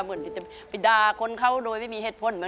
เหมือนจะไปดาคนเขาโดยไม่มีเหตุผล